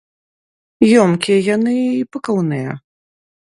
Ёмкія яны й пакаўныя.